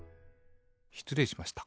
しつれいしました。